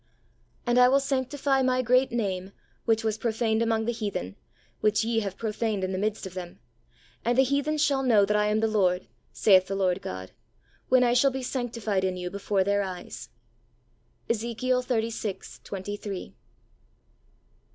"And I will sanctify My great name, which was profaned among the heathen, which ye have profaned in the midst of them ; and the heathen shall know that I am the Lord, saith the Lord God, when I shall be sanctified in you before their eyes " [Ezek, xxxvi. 23). CHAPTER XXVII.